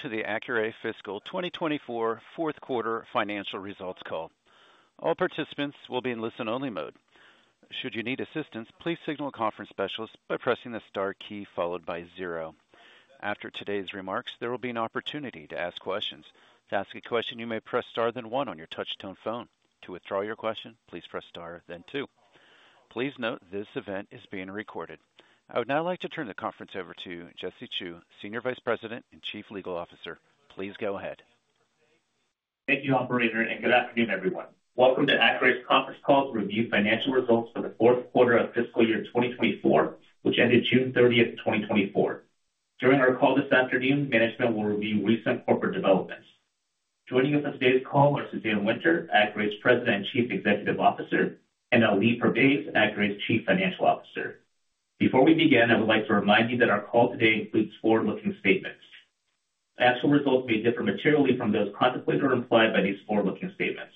Welcome to the Accuray Fiscal 2024 fourth quarter financial results call. All participants will be in listen-only mode. Should you need assistance, please signal a conference specialist by pressing the star key followed by zero. After today's remarks, there will be an opportunity to ask questions. To ask a question, you may press star, then one on your touchtone phone. To withdraw your question, please press star, then two. Please note, this event is being recorded. I would now like to turn the conference over to Jesse Chew, Senior Vice President and Chief Legal Officer. Please go ahead. Thank you, operator, and good afternoon, everyone. Welcome to Accuray's conference call to review financial results for the fourth quarter of fiscal year 2024, which ended June 30th, 2024. During our call this afternoon, management will review recent corporate developments. Joining us on today's call are Suzanne Winter, Accuray's President and Chief Executive Officer, and Ali Pervaiz, Accuray's Chief Financial Officer. Before we begin, I would like to remind you that our call today includes forward-looking statements. Actual results may differ materially from those contemplated or implied by these forward-looking statements.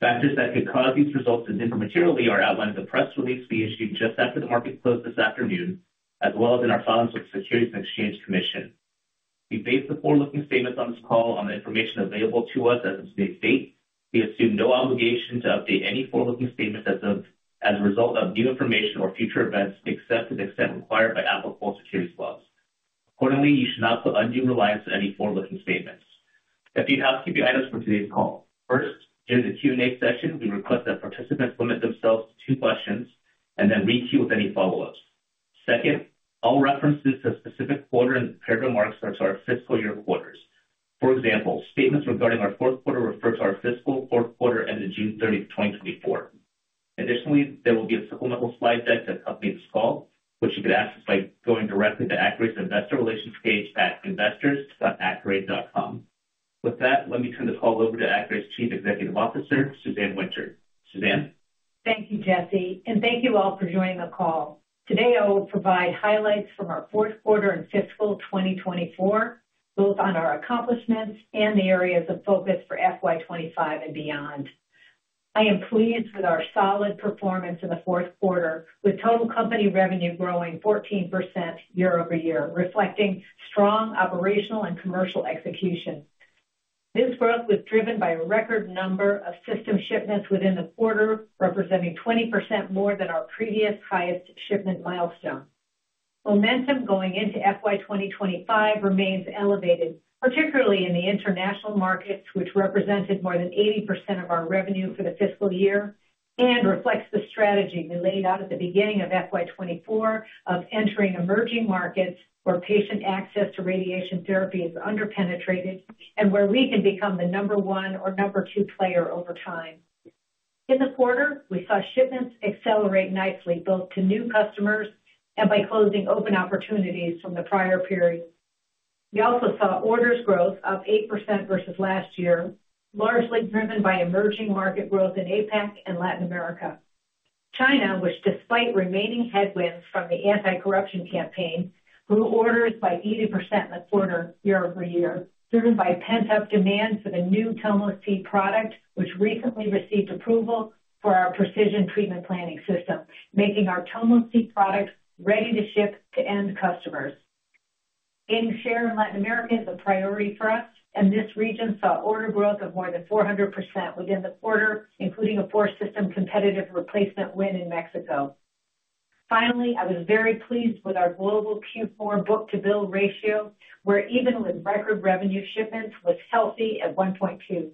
Factors that could cause these results to differ materially are outlined in the press release we issued just after the market closed this afternoon, as well as in our filings with the Securities and Exchange Commission. We base the forward-looking statements on this call on the information available to us as of this date. We assume no obligation to update any forward-looking statements as a result of new information or future events, except to the extent required by applicable securities laws. Accordingly, you should not put undue reliance on any forward-looking statements. A few housekeeping items for today's call. First, during the Q&A session, we request that participants limit themselves to two questions and then re-queue with any follow-ups. Second, all references to specific quarter and comparative marks are to our fiscal year quarters. For example, statements regarding our fourth quarter refer to our fiscal fourth quarter ending June 30th, 2024. Additionally, there will be a supplemental slide deck that accompanies this call, which you can access by going directly to Accuray's Investor Relations page at investors.accuray.com. With that, let me turn this call over to Accuray's Chief Executive Officer, Suzanne Winter. Suzanne? Thank you, Jesse, and thank you all for joining the call. Today, I will provide highlights from our fourth quarter and fiscal 2024, both on our accomplishments and the areas of focus for FY 2025 and beyond. I am pleased with our solid performance in the fourth quarter, with total company revenue growing 14% year-over-year, reflecting strong operational and commercial execution. This growth was driven by a record number of system shipments within the quarter, representing 20% more than our previous highest shipment milestone. Momentum going into FY 2025 remains elevated, particularly in the international markets, which represented more than 80% of our revenue for the fiscal year and reflects the strategy we laid out at the beginning of FY 2024 of entering emerging markets where patient access to radiation therapy is under-penetrated and where we can become the number one or number two player over time. In the quarter, we saw shipments accelerate nicely, both to new customers and by closing open opportunities from the prior period. We also saw orders growth up 8% versus last year, largely driven by emerging market growth in APAC and Latin America. China, which despite remaining headwinds from the anti-corruption campaign, grew orders by 80% in the quarter year-over-year, driven by pent-up demand for the new TomoTherapy product, which recently received approval for our Precision Treatment Planning System, making our TomoTherapy product ready to ship to end customers. Gaining share in Latin America is a priority for us, and this region saw order growth of more than 400% within the quarter, including a 4-system competitive replacement win in Mexico. Finally, I was very pleased with our global Q4 book-to-bill ratio, where even with record revenue, shipments was healthy at 1.2.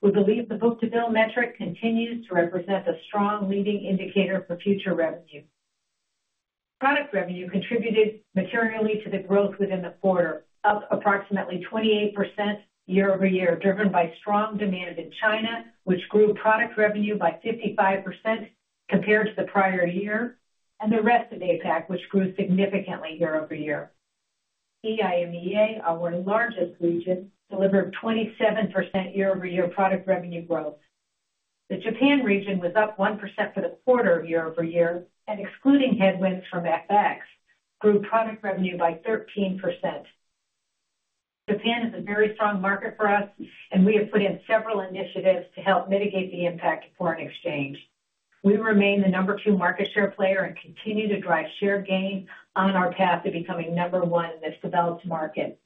We believe the book-to-bill metric continues to represent a strong leading indicator for future revenue. Product revenue contributed materially to the growth within the quarter, up approximately 28% year-over-year, driven by strong demand in China, which grew product revenue by 55% compared to the prior year, and the rest of APAC, which grew significantly year-over-year. EIMEA, our largest region, delivered 27% year-over-year product revenue growth. The Japan region was up 1% for the quarter year-over-year and, excluding headwinds from FX, grew product revenue by 13%. Japan is a very strong market for us, and we have put in several initiatives to help mitigate the impact of foreign exchange. We remain the number two market share player and continue to drive share gain on our path to becoming number 1 in this developed market.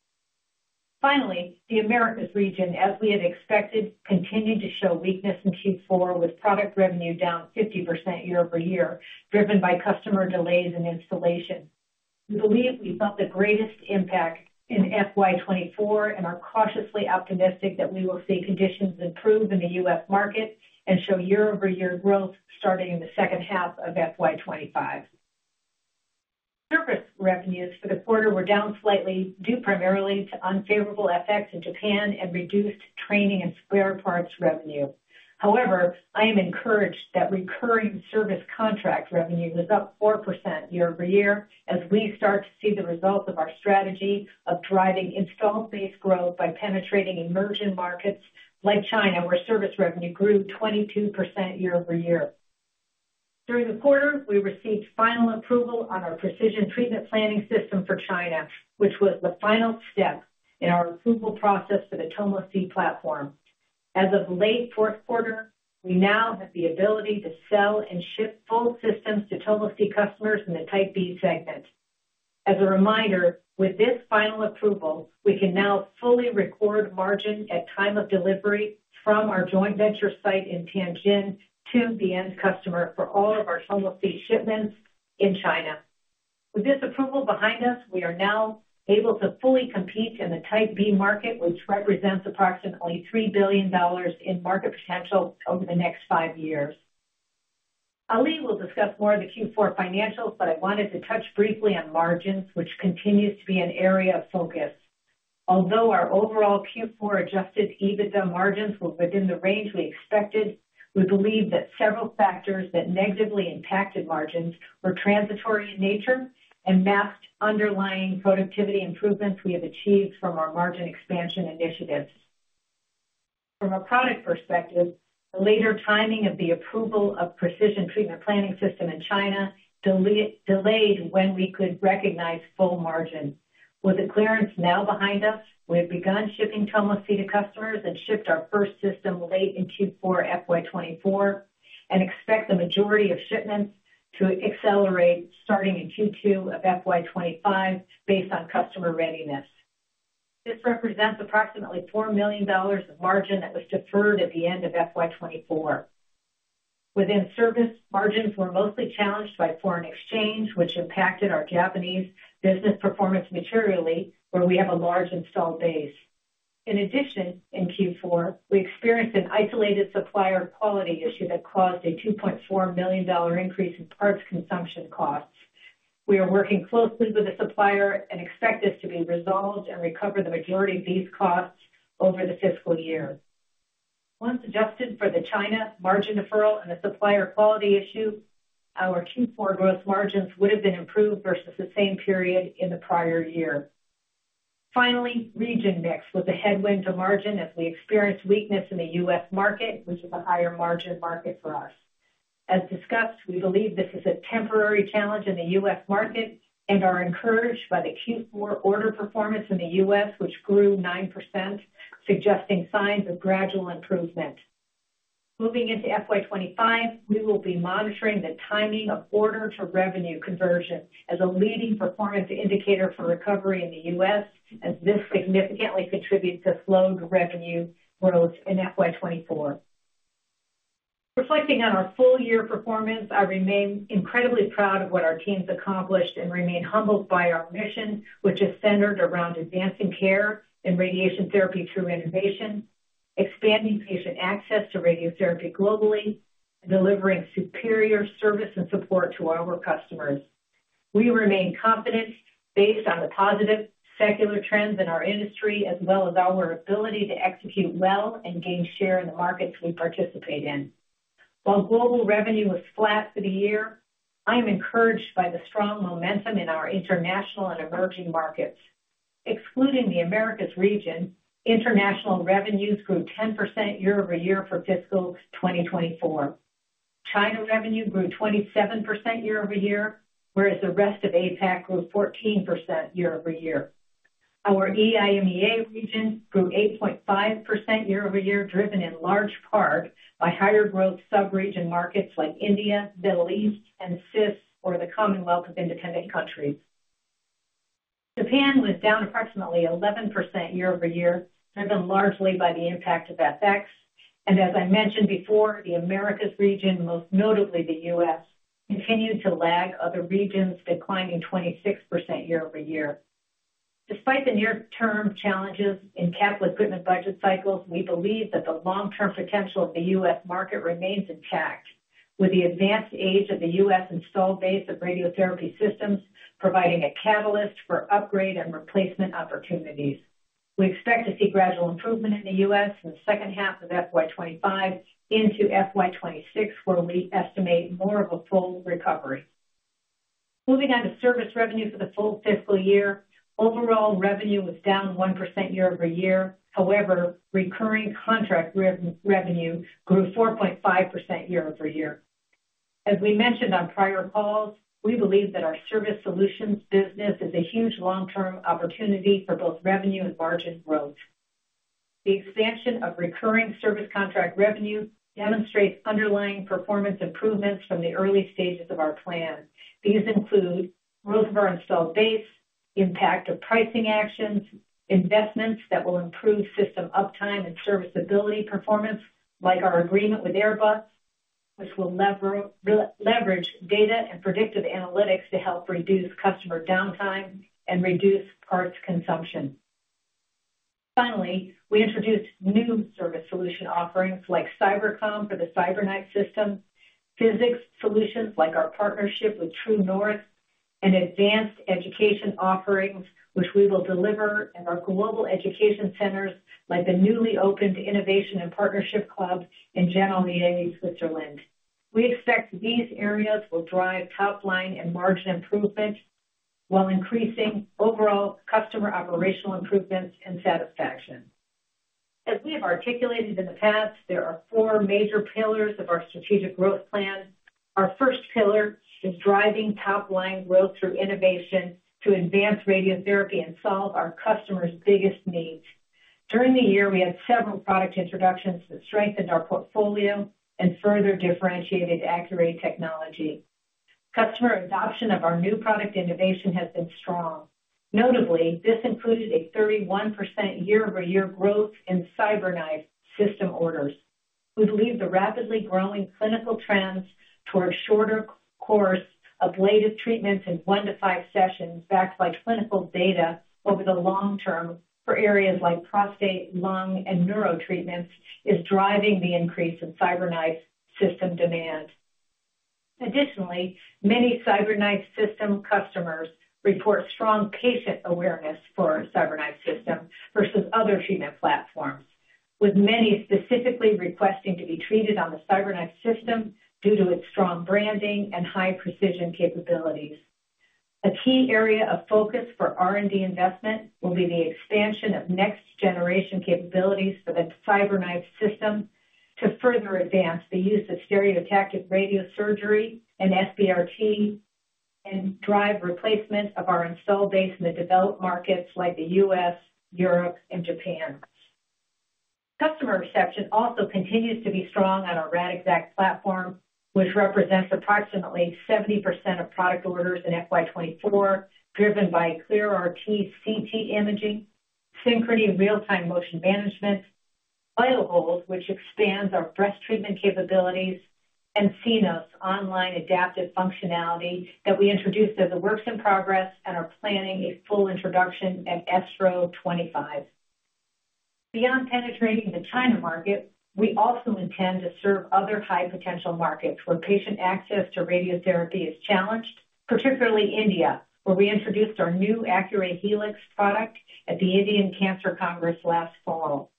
Finally, the Americas region, as we had expected, continued to show weakness in Q4, with product revenue down 50% year-over-year, driven by customer delays and installation. We believe we felt the greatest impact in FY 2024 and are cautiously optimistic that we will see conditions improve in the U.S. market and show year-over-year growth starting in the second half of FY 2025. Service revenues for the quarter were down slightly, due primarily to unfavorable FX in Japan and reduced training and spare parts revenue. However, I am encouraged that recurring service contract revenue was up 4% year-over-year as we start to see the results of our strategy of driving install-based growth by penetrating emerging markets like China, where service revenue grew 22% year-over-year. During the quarter, we received final approval on our Precision Treatment Planning System for China, which was the final step in our approval process for the TomoTherapy platform. As of late fourth quarter, we now have the ability to sell and ship full systems to TomoTherapy customers in the Type B segment. As a reminder, with this final approval, we can now fully record margin at time of delivery from our joint venture site in Tianjin to the end customer for all of our TomoTherapy shipments in China. With this approval behind us, we are now able to fully compete in the Type B market, which represents approximately $3 billion in market potential over the next five years. Ali will discuss more of the Q4 financials, but I wanted to touch briefly on margins, which continues to be an area of focus. Although our overall Q4 adjusted EBITDA margins were within the range we expected, we believe that several factors that negatively impacted margins were transitory in nature and masked underlying productivity improvements we have achieved from our margin expansion initiatives. From a product perspective, the later timing of the approval of Precision Treatment Planning System in China delayed when we could recognize full margin. With the clearance now behind us, we have begun shipping TomoTherapy to customers and shipped our first system late in Q4 FY 2024, and expect the majority of shipments to accelerate starting in Q2 of FY 2025, based on customer readiness. This represents approximately $4 million of margin that was deferred at the end of FY 2024. Within service, margins were mostly challenged by foreign exchange, which impacted our Japanese business performance materially, where we have a large installed base. In addition, in Q4, we experienced an isolated supplier quality issue that caused a $2.4 million increase in parts consumption costs. We are working closely with the supplier and expect this to be resolved and recover the majority of these costs over the fiscal year. Once adjusted for the China margin deferral and the supplier quality issue, our Q4 gross margins would have been improved versus the same period in the prior year. Finally, region mix was a headwind to margin as we experienced weakness in the U.S. market, which is a higher margin market for us. As discussed, we believe this is a temporary challenge in the U.S. market and are encouraged by the Q4 order performance in the U.S., which grew 9%, suggesting signs of gradual improvement. Moving into FY 25, we will be monitoring the timing of order to revenue conversion as a leading performance indicator for recovery in the US, as this significantly contributes to slowed revenue growth in FY 24. Reflecting on our full-year performance, I remain incredibly proud of what our team's accomplished and remain humbled by our mission, which is centered around advancing care and radiation therapy through innovation, expanding patient access to radiotherapy globally, and delivering superior service and support to our customers. We remain confident based on the positive secular trends in our industry, as well as our ability to execute well and gain share in the markets we participate in. While global revenue was flat for the year, I am encouraged by the strong momentum in our international and emerging markets. Excluding the Americas region, international revenues grew 10% year-over-year for fiscal 2024. China revenue grew 27% year-over-year, whereas the rest of APAC grew 14% year-over-year. Our EIMEA region grew 8.5% year-over-year, driven in large part by higher growth sub-region markets like India, Middle East, and CIS, or the Commonwealth of Independent States. Japan was down approximately 11% year-over-year, driven largely by the impact of FX. As I mentioned before, the Americas region, most notably the U.S., continued to lag other regions, declining 26% year-over-year. Despite the near-term challenges in capital equipment budget cycles, we believe that the long-term potential of the U.S. market remains intact, with the advanced age of the US installed base of radiotherapy systems providing a catalyst for upgrade and replacement opportunities. We expect to see gradual improvement in the U.S. in the second half of FY 2025 into FY 2026, where we estimate more of a full recovery. Moving on to service revenue for the full fiscal year, overall revenue was down 1% year-over-year. However, recurring contract revenue grew 4.5% year-over-year. As we mentioned on prior calls, we believe that our service solutions business is a huge long-term opportunity for both revenue and margin growth. The expansion of recurring service contract revenue demonstrates underlying performance improvements from the early stages of our plan. These include growth of our installed base, impact of pricing actions, investments that will improve system uptime and serviceability performance, like our agreement with Airbus, which will leverage data and predictive analytics to help reduce customer downtime and reduce parts consumption. Finally, we introduced new service solution offerings like Cybercomm for the CyberKnife system, physics solutions like our partnership with True North, and advanced education offerings, which we will deliver in our global education centers, like the newly opened Innovation and Partnership Club in Geneva, Switzerland. We expect these areas will drive top line and margin improvement, while increasing overall customer operational improvements and satisfaction. As we have articulated in the past, there are four major pillars of our strategic growth plan....Our first pillar is driving top-line growth through innovation to advance radiotherapy and solve our customers' biggest needs. During the year, we had several product introductions that strengthened our portfolio and further differentiated Accuray technology. Customer adoption of our new product innovation has been strong. Notably, this included a 31% year-over-year growth in CyberKnife system orders. We believe the rapidly growing clinical trends towards shorter course of latest treatments in one to five sessions, backed by clinical data over the long term for areas like prostate, lung, and neuro treatments, is driving the increase in CyberKnife System demand. Additionally, many CyberKnife System customers report strong patient awareness for our CyberKnife System versus other treatment platforms, with many specifically requesting to be treated on the CyberKnife System due to its strong branding and high precision capabilities. A key area of focus for R&D investment will be the expansion of next-generation capabilities for the CyberKnife System to further advance the use of Stereotactic Radiosurgery and SBRT, and drive replacement of our install base in the developed markets like the U.S., Europe, and Japan. Customer reception also continues to be strong on our Radixact platform, which represents approximately 70% of product orders in FY 2024, driven by ClearRT CT imaging, Synchrony real-time motion management, VitalHold, which expands our breast treatment capabilities, and Cenos online adaptive functionality that we introduced as a works in progress and are planning a full introduction at ESTRO 2025. Beyond penetrating the China market, we also intend to serve other high-potential markets where patient access to radiotherapy is challenged, particularly India, where we introduced our new Accuray Helix product at the Indian Cancer Congress last fall.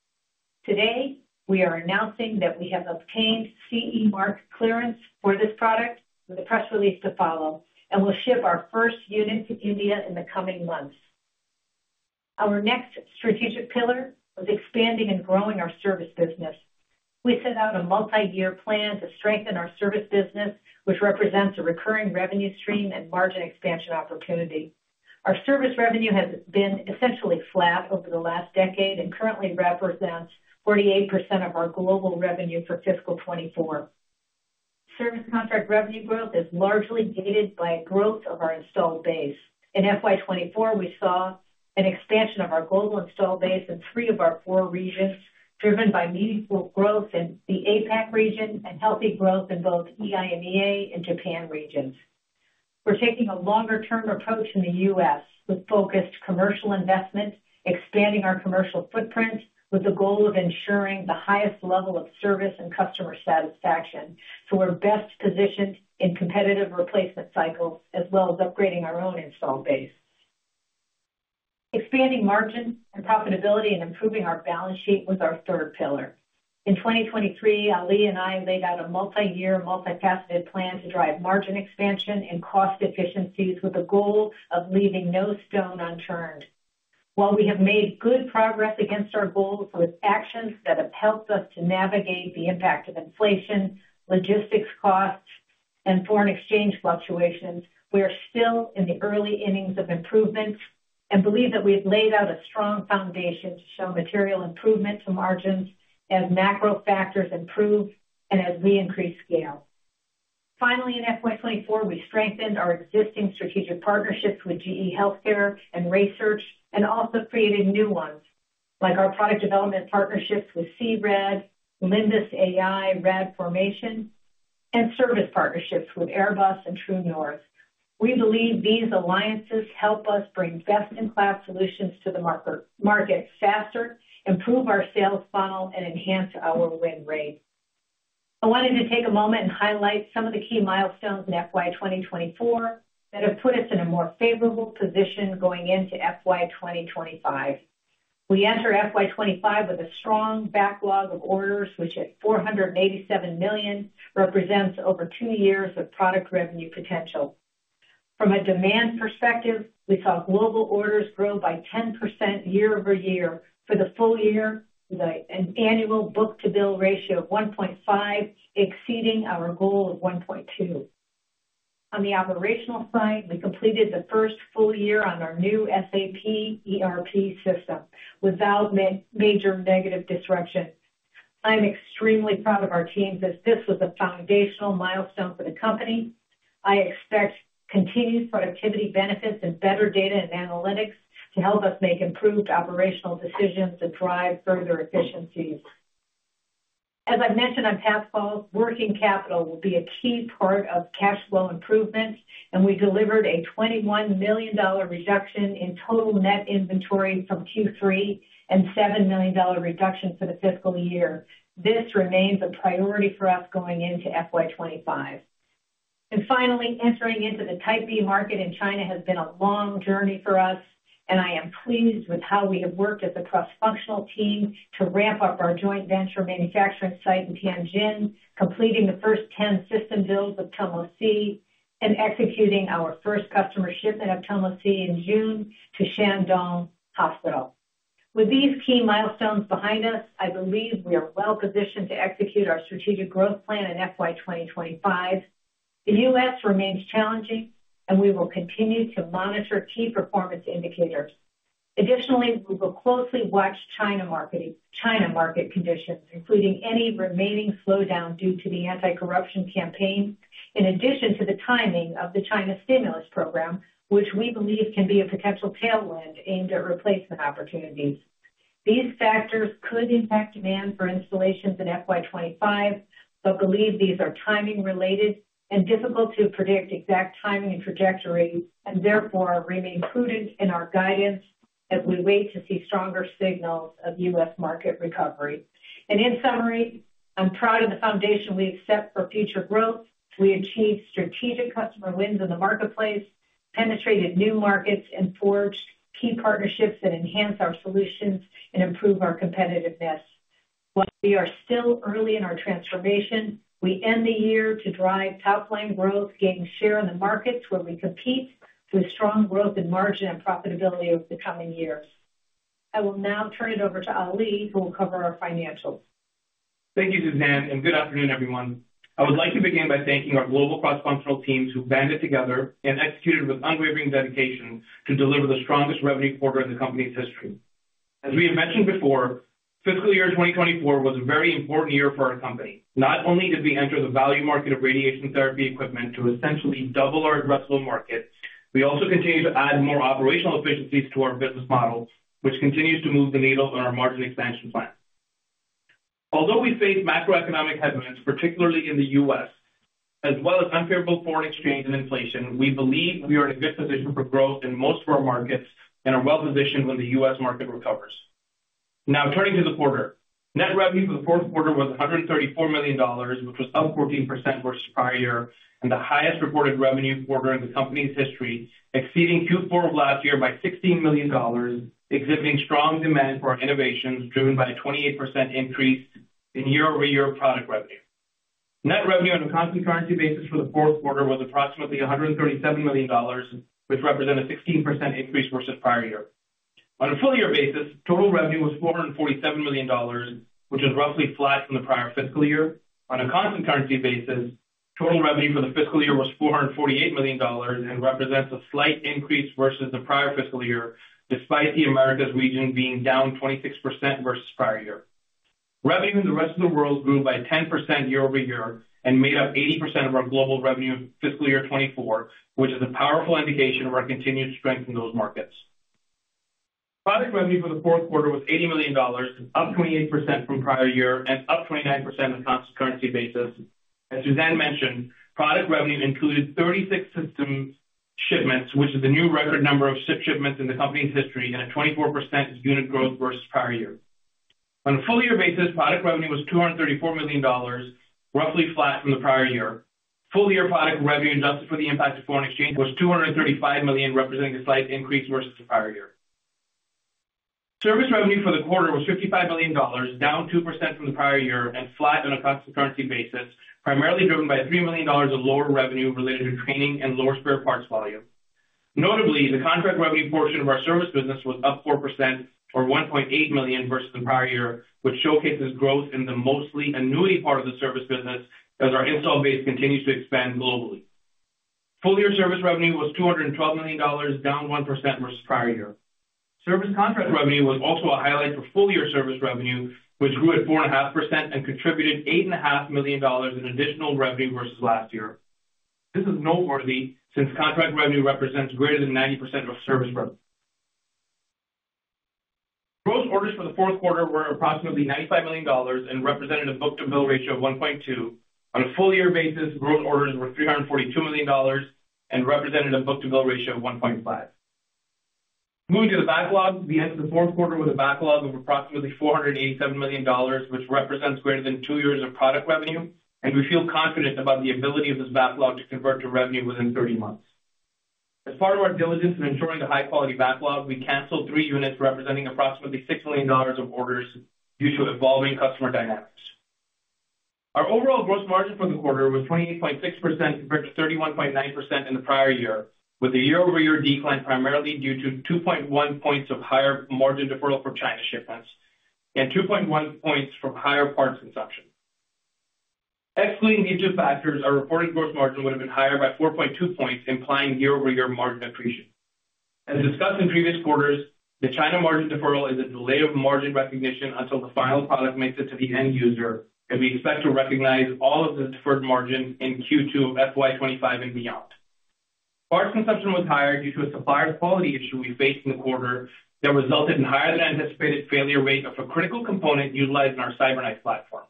Today, we are announcing that we have obtained CE Mark clearance for this product, with a press release to follow, and will ship our first unit to India in the coming months. Our next strategic pillar is expanding and growing our service business. We set out a multiyear plan to strengthen our service business, which represents a recurring revenue stream and margin expansion opportunity. Our service revenue has been essentially flat over the last decade and currently represents 48% of our global revenue for fiscal 2024. Service contract revenue growth is largely gated by growth of our installed base. In FY 2024, we saw an expansion of our global installed base in three of our four regions, driven by meaningful growth in the APAC region and healthy growth in both EIMEA and Japan regions. We're taking a longer-term approach in the U.S. with focused commercial investment, expanding our commercial footprint with the goal of ensuring the highest level of service and customer satisfaction, so we're best positioned in competitive replacement cycles, as well as upgrading our own installed base. Expanding margin and profitability and improving our balance sheet was our third pillar. In 2023, Ali and I laid out a multiyear, multifaceted plan to drive margin expansion and cost efficiencies with a goal of leaving no stone unturned. While we have made good progress against our goals with actions that have helped us to navigate the impact of inflation, logistics costs, and foreign exchange fluctuations, we are still in the early innings of improvements and believe that we've laid out a strong foundation to show material improvement to margins as macro factors improve and as we increase scale. Finally, in FY 2024, we strengthened our existing strategic partnerships with GE HealthCare and RaySearch, and also created new ones like our product development partnerships with C-RAD, Limbus AI, Radformation, and service partnerships with Airbus and True North. We believe these alliances help us bring best-in-class solutions to the market faster, improve our sales funnel, and enhance our win rate. I wanted to take a moment and highlight some of the key milestones in FY 2024 that have put us in a more favorable position going into FY 2025. We enter FY 2025 with a strong backlog of orders, which at $487 million, represents over two years of product revenue potential. From a demand perspective, we saw global orders grow by 10% year-over-year for the full year, with an annual book-to-bill ratio of 1.5, exceeding our goal of 1.2. On the operational side, we completed the first full year on our new SAP ERP system without major negative disruption. I'm extremely proud of our teams, as this was a foundational milestone for the company. I expect continued productivity benefits and better data and analytics to help us make improved operational decisions that drive further efficiencies. As I've mentioned on past calls, working capital will be a key part of cash flow improvement, and we delivered a $21 million reduction in total net inventory from Q3, and $7 million reduction for the fiscal year. This remains a priority for us going into FY 2025. Finally, entering into the Type B Market in China has been a long journey for us, and I am pleased with how we have worked as a cross-functional team to ramp up our joint venture manufacturing site in Tianjin, completing the first 10 system builds of Tomo C, and executing our first customer shipment of Tomo C in June to Shandong Hospital. With these key milestones behind us, I believe we are well-positioned to execute our strategic growth plan in FY 2025. The U.S. remains challenging, and we will continue to monitor key performance indicators. Additionally, we will closely watch China market conditions, including any remaining slowdown due to the anti-corruption campaign, in addition to the timing of the China stimulus program, which we believe can be a potential tailwind aimed at replacement opportunities. These factors could impact demand for installations in FY 2025, but believe these are timing-related and difficult to predict exact timing and trajectory, and therefore, remain prudent in our guidance as we wait to see stronger signals of U.S. market recovery. In summary, I'm proud of the foundation we've set for future growth. We achieved strategic customer wins in the marketplace, penetrated new markets, and forged key partnerships that enhance our solutions and improve our competitiveness. While we are still early in our transformation, we end the year to drive top line growth, gaining share in the markets where we compete, through strong growth in margin and profitability over the coming years. I will now turn it over to Ali, who will cover our financials. Thank you, Suzanne, and good afternoon, everyone. I would like to begin by thanking our global cross-functional teams who banded together and executed with unwavering dedication to deliver the strongest revenue quarter in the company's history. As we have mentioned before, fiscal year 2024 was a very important year for our company. Not only did we enter the value market of radiation therapy equipment to essentially double our addressable market, we also continued to add more operational efficiencies to our business model, which continues to move the needle on our margin expansion plan. Although we face macroeconomic headwinds, particularly in the U.S., as well as unfavorable foreign exchange and inflation, we believe we are in a good position for growth in most of our markets and are well-positioned when the U.S. market recovers. Now, turning to the quarter. Net revenue for the fourth quarter was $134 million, which was up 14% versus prior year, and the highest reported revenue quarter in the company's history, exceeding Q4 of last year by $16 million, exhibiting strong demand for our innovations, driven by a 28% increase in year-over-year product revenue. Net revenue on a constant currency basis for the fourth quarter was approximately $137 million, which represented a 16% increase versus prior year. On a full year basis, total revenue was $447 million, which is roughly flat from the prior fiscal year. On a constant currency basis, total revenue for the fiscal year was $448 million and represents a slight increase versus the prior fiscal year, despite the Americas region being down 26% versus prior year. Revenue in the rest of the world grew by 10% year-over-year and made up 80% of our global revenue in fiscal year 2024, which is a powerful indication of our continued strength in those markets. Product revenue for the fourth quarter was $80 million, up 28% from prior year and up 29% on a constant currency basis. As Suzanne mentioned, product revenue included 36 system shipments, which is a new record number of ship shipments in the company's history, and a 24% unit growth versus prior year. On a full year basis, product revenue was $234 million, roughly flat from the prior year. Full year product revenue, adjusted for the impact of foreign exchange, was $235 million, representing a slight increase versus the prior year. Service revenue for the quarter was $55 million, down 2% from the prior year and flat on a constant currency basis, primarily driven by $3 million of lower revenue related to training and lower spare parts volume. Notably, the contract revenue portion of our service business was up 4%, or $1.8 million, versus the prior year, which showcases growth in the mostly annuity part of the service business as our install base continues to expand globally. Full year service revenue was $212 million, down 1% versus prior year. Service contract revenue was also a highlight for full year service revenue, which grew at 4.5% and contributed $8.5 million in additional revenue versus last year. This is noteworthy, since contract revenue represents greater than 90% of service revenue. Gross orders for the fourth quarter were approximately $95 million and represented a book-to-bill ratio of 1.2. On a full year basis, gross orders were $342 million and represented a book-to-bill ratio of 1.5. Moving to the backlog, we ended the fourth quarter with a backlog of approximately $487 million, which represents greater than 2 years of product revenue, and we feel confident about the ability of this backlog to convert to revenue within 30 months. As part of our diligence in ensuring the high-quality backlog, we canceled 3 units, representing approximately $6 million of orders due to evolving customer dynamics. Our overall gross margin for the quarter was 28.6%, compared to 31.9% in the prior year, with a year-over-year decline, primarily due to 2.1 points of higher margin deferral from China shipments and 2.1 points from higher parts consumption. Excluding these two factors, our reported gross margin would have been higher by 4.2 points, implying year-over-year margin accretion. As discussed in previous quarters, the China margin deferral is a delay of margin recognition until the final product makes it to the end user, and we expect to recognize all of the deferred margin in Q2 of FY 2025 and beyond. Parts consumption was higher due to a supplier quality issue we faced in the quarter that resulted in higher-than-anticipated failure rate of a critical component utilized in our CyberKnife platform.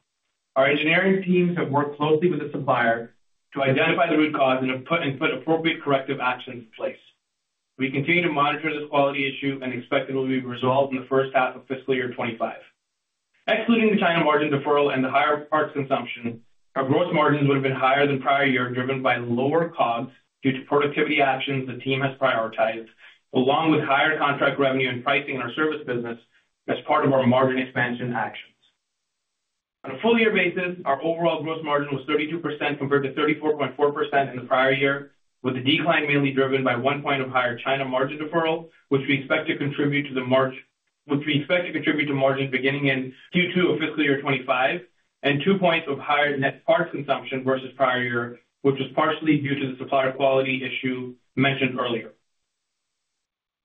Our engineering teams have worked closely with the supplier to identify the root cause and have put appropriate corrective actions in place. We continue to monitor this quality issue and expect it will be resolved in the first half of fiscal year 2025. Excluding the China margin deferral and the higher parts consumption, our gross margins would have been higher than prior year, driven by lower costs due to productivity actions the team has prioritized, along with higher contract revenue and pricing in our service business as part of our margin expansion action. On a full year basis, our overall gross margin was 32% compared to 34.4% in the prior year, with the decline mainly driven by 1 point of higher China margin deferral, which we expect to contribute to margins beginning in Q2 of fiscal year 2025, and 2 points of higher net parts consumption versus prior year, which was partially due to the supplier quality issue mentioned earlier.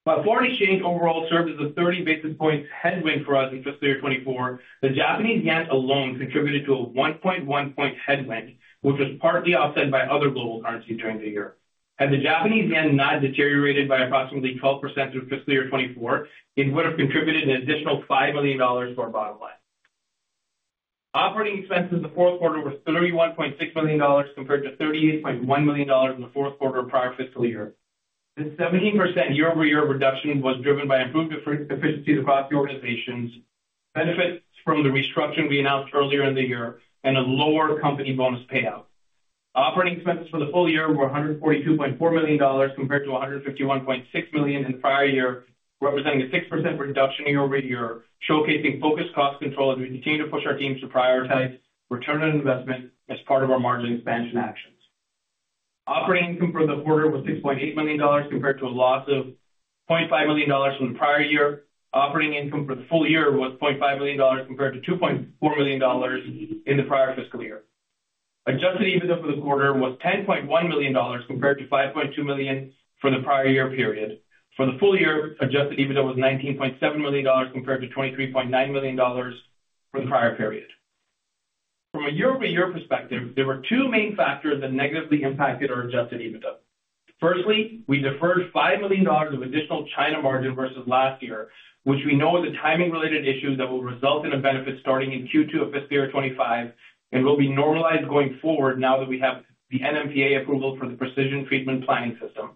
While foreign exchange overall served as a 30 basis points headwind for us in fiscal year 2024, the Japanese yen alone contributed to a 1.1-point headwind, which was partly offset by other global currency during the year. Had the Japanese yen not deteriorated by approximately 12% through fiscal year 2024, it would have contributed an additional $5 million to our bottom line. Operating expenses in the fourth quarter were $31.6 million, compared to $38.1 million in the fourth quarter of prior fiscal year. This 17% year-over-year reduction was driven by improved efficiencies across the organizations, benefits from the restructure we announced earlier in the year, and a lower company bonus payout. Operating expenses for the full year were $142.4 million, compared to $151.6 million in prior year, representing a 6% reduction year-over-year, showcasing focused cost control, and we continue to push our teams to prioritize return on investment as part of our margin expansion actions. Operating income for the quarter was $6.8 million, compared to a loss of $0.5 million from the prior year. Operating income for the full year was $0.5 million, compared to $2.4 million in the prior fiscal year. Adjusted EBITDA for the quarter was $10.1 million, compared to $5.2 million for the prior year period. For the full year, adjusted EBITDA was $19.7 million, compared to $23.9 million for the prior period. From a year-over-year perspective, there were two main factors that negatively impacted our adjusted EBITDA. Firstly, we deferred $5 million of additional China margin versus last year, which we know is a timing-related issue that will result in a benefit starting in Q2 of fiscal year 2025, and will be normalized going forward now that we have the NMPA approval for the Precision Treatment Planning System.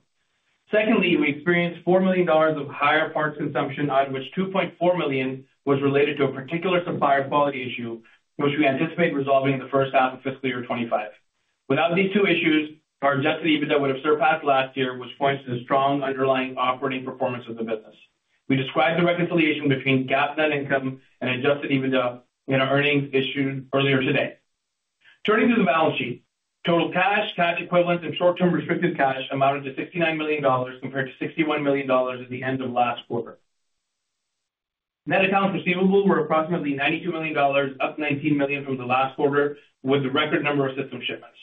Secondly, we experienced $4 million of higher parts consumption, on which $2.4 million was related to a particular supplier quality issue, which we anticipate resolving in the first half of fiscal year 2025. Without these two issues, our adjusted EBITDA would have surpassed last year, which points to the strong underlying operating performance of the business. We described the reconciliation between GAAP net income and adjusted EBITDA in our earnings issued earlier today. Turning to the balance sheet. Total cash, cash equivalents, and short-term restricted cash amounted to $69 million, compared to $61 million at the end of last quarter. Net accounts receivables were approximately $92 million, up $19 million from the last quarter, with a record number of system shipments.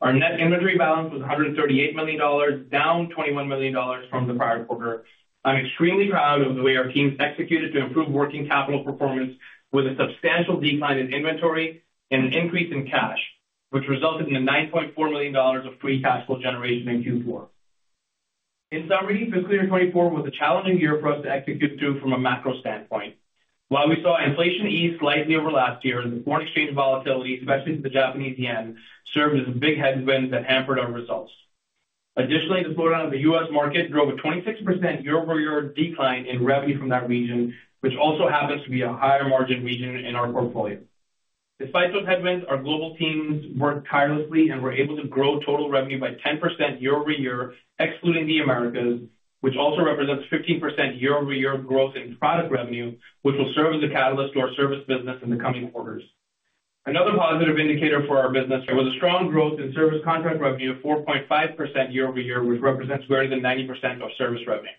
Our net inventory balance was $138 million, down $21 million from the prior quarter. I'm extremely proud of the way our teams executed to improve working capital performance, with a substantial decline in inventory and an increase in cash, which resulted in the $9.4 million of free cash flow generation in Q4. In summary, fiscal year 2024 was a challenging year for us to execute through from a macro standpoint. While we saw inflation ease slightly over last year, the foreign exchange volatility, especially to the Japanese yen, served as a big headwind that hampered our results. Additionally, the slowdown in the U.S. market drove a 26% year-over-year decline in revenue from that region, which also happens to be a higher margin region in our portfolio. Despite those headwinds, our global teams worked tirelessly and were able to grow total revenue by 10% year-over-year, excluding the Americas, which also represents 15% year-over-year growth in product revenue, which will serve as a catalyst to our service business in the coming quarters. Another positive indicator for our business was a strong growth in service contract revenue of 4.5% year-over-year, which represents greater than 90% of service revenue.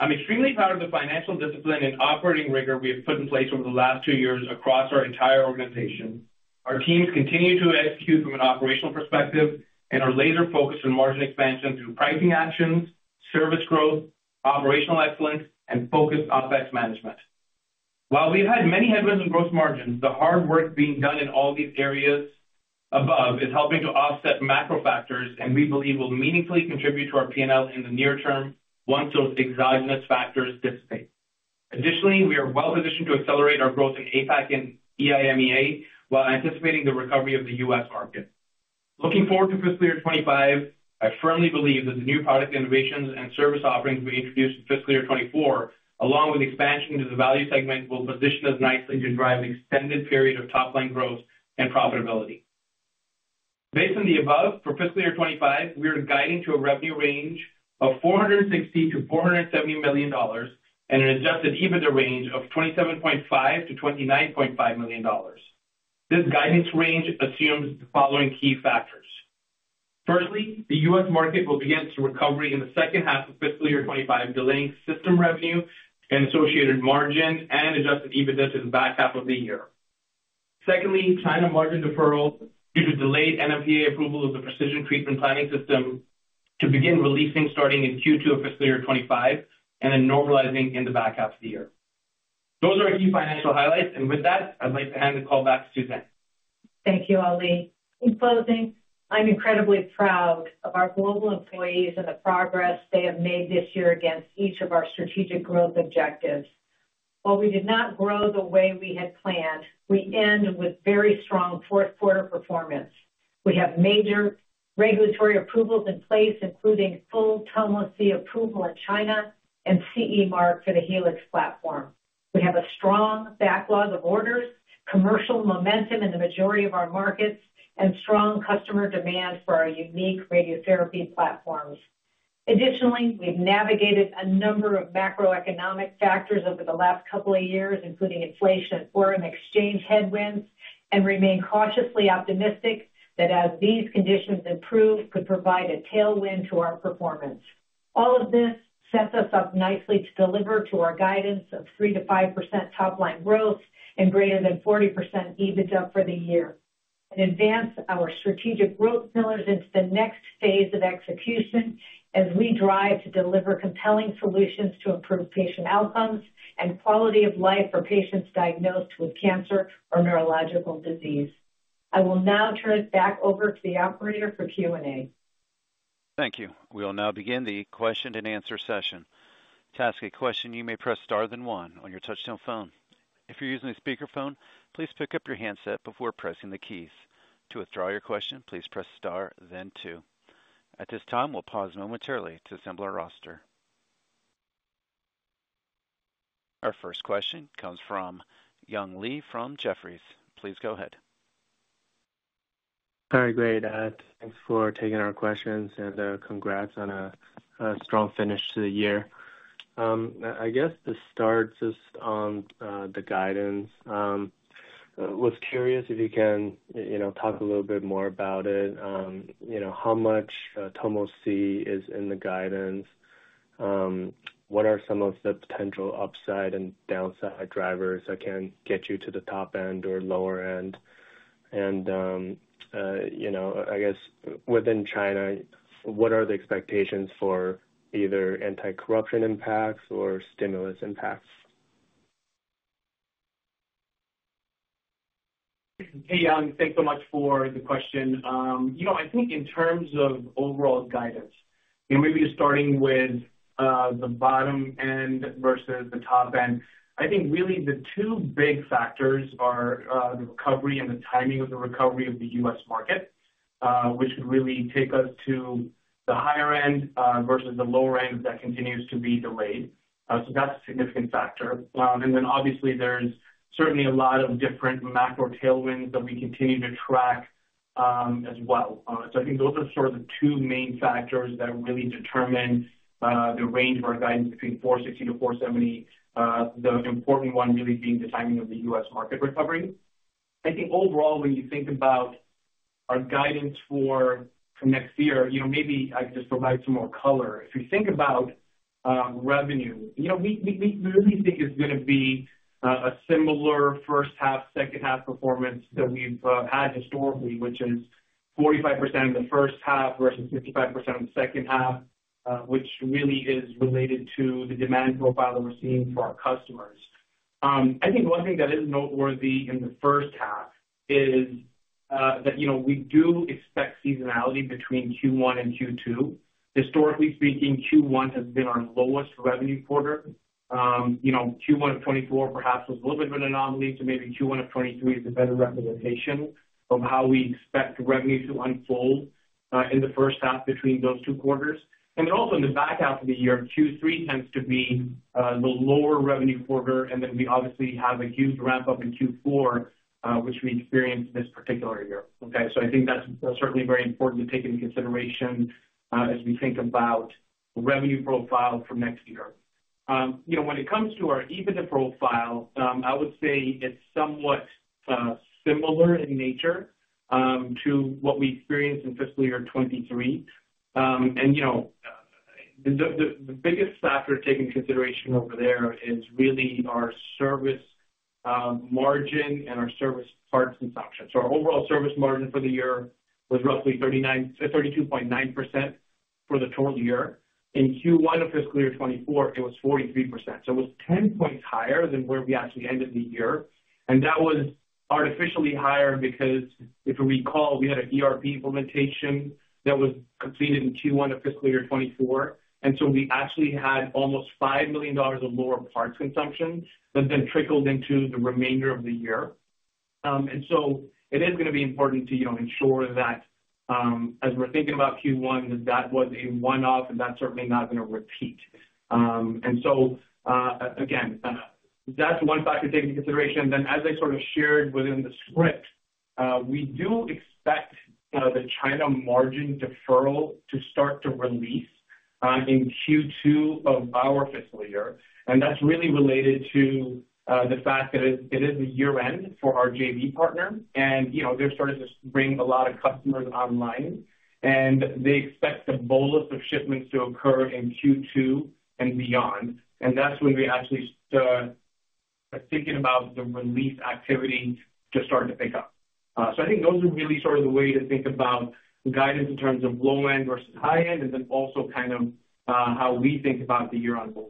I'm extremely proud of the financial discipline and operating rigor we have put in place over the last two years across our entire organization. Our teams continue to execute from an operational perspective and are laser focused on margin expansion through pricing actions, service growth, operational excellence, and focused OpEx management. While we've had many headwinds in gross margins, the hard work being done in all these areas above is helping to offset macro factors, and we believe will meaningfully contribute to our PNL in the near term once those exogenous factors dissipate. Additionally, we are well positioned to accelerate our growth in APAC and EIMEA while anticipating the recovery of the U.S. market. Looking forward to fiscal year 2025, I firmly believe that the new product innovations and service offerings we introduced in fiscal year 2024, along with expansion into the value segment, will position us nicely to drive extended period of top-line growth and profitability. Based on the above, for fiscal year 2025, we are guiding to a revenue range of $460 million-$470 million, and an adjusted EBITDA range of $27.5 million-$29.5 million. This guidance range assumes the following key factors: firstly, the U.S. market will begin to recover in the second half of fiscal year 2025, delaying system revenue and associated margin and adjusted EBITDA to the back half of the year. Secondly, China margin deferral due to delayed NMPA approval of the precision treatment planning system to begin releasing starting in Q2 of fiscal year 2025, and then normalizing in the back half of the year. Those are our key financial highlights, and with that, I'd like to hand the call back to Suzanne. Thank you, Ali. In closing, I'm incredibly proud of our global employees and the progress they have made this year against each of our strategic growth objectives. While we did not grow the way we had planned, we end with very strong fourth quarter performance. We have major regulatory approvals in place, including full Tomo C approval in China and CE Mark for the Helix platform. We have a strong backlog of orders, commercial momentum in the majority of our markets, and strong customer demand for our unique radiotherapy platforms. Additionally, we've navigated a number of macroeconomic factors over the last couple of years, including inflation and foreign exchange headwinds, and remain cautiously optimistic that as these conditions improve, could provide a tailwind to our performance. All of this sets us up nicely to deliver to our guidance of 3%-5% top line growth and greater than 40% EBITDA for the year, and advance our strategic growth pillars into the next phase of execution as we drive to deliver compelling solutions to improve patient outcomes and quality of life for patients diagnosed with cancer or neurological disease. I will now turn it back over to the operator for Q&A. Thank you. We will now begin the question and answer session. To ask a question, you may press star then one on your touchtone phone. If you're using a speakerphone, please pick up your handset before pressing the keys. To withdraw your question, please press star then two. At this time, we'll pause momentarily to assemble our roster. Our first question comes from Young Li from Jefferies. Please go ahead. Very great. Thanks for taking our questions and, congrats on a, a strong finish to the year. I guess to start just on, the guidance, was curious if you can, you know, talk a little bit more about it. You know, how much, Tomo C is in the guidance? What are some of the potential upside and downside drivers that can get you to the top end or lower end? And, you know, I guess within China, what are the expectations for either anti-corruption impacts or stimulus impacts? Hey, Young, thanks so much for the question. You know, I think in terms of overall guidance, and maybe starting with, the bottom end versus the top end, I think really the two big factors are, the recovery and the timing of the recovery of the U.S. market, which could really take us to the higher end, versus the lower end that continues to be delayed. So that's a significant factor. And then obviously, there's certainly a lot of different macro tailwinds that we continue to track, as well. So I think those are sort of the two main factors that really determine, the range of our guidance between $460 million-$470 million. The important one really being the timing of the U.S. market recovery. I think overall, when you think about our guidance for next year, you know, maybe I could just provide some more color. If you think about revenue, you know, we really think it's going to be a similar first half, second half performance that we've had historically, which is 45% in the first half versus 55% in the second half, which really is related to the demand profile that we're seeing for our customers. I think one thing that is noteworthy in the first half is that, you know, we do expect seasonality between Q1 and Q2. Historically speaking, Q1 has been our lowest revenue quarter. You know, Q1 of 2024 perhaps was a little bit of an anomaly to maybe Q1 of 2023 is a better representation of how we expect revenue to unfold in the first half between those two quarters. And then also in the back half of the year, Q3 tends to be the lower revenue quarter, and then we obviously have a huge ramp-up in Q4, which we experienced this particular year. Okay, so I think that's certainly very important to take into consideration as we think about the revenue profile for next year. You know, when it comes to our EBITDA profile, I would say it's somewhat similar in nature to what we experienced in fiscal year 2023. And you know, the biggest factor to take into consideration over there is really our service margin and our service parts consumption. So our overall service margin for the year was roughly 32.9% for the total year. In Q1 of fiscal year 2024, it was 43%, so it was 10 points higher than where we actually ended the year. And that was artificially higher because if you recall, we had an ERP implementation that was completed in Q1 of fiscal year 2024, and so we actually had almost $5 million of lower parts consumption that then trickled into the remainder of the year. So it is going to be important to, you know, ensure that, as we're thinking about Q1, that that was a one-off and that's certainly not going to repeat. And so, again, that's one factor to take into consideration. Then, as I sort of shared within the script, we do expect the China margin deferral to start to release in Q2 of our fiscal year. And that's really related to the fact that it is a year-end for our JV partner. And, you know, they're starting to bring a lot of customers online, and they expect a bolus of shipments to occur in Q2 and beyond. And that's when we actually start thinking about the release activity to start to pick up. So I think those are really sort of the way to think about guidance in terms of low end versus high end, and then also kind of how we think about the year on both.